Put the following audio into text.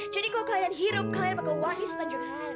jadi kalau kalian hirup kalian bakal wangi sepanjang hari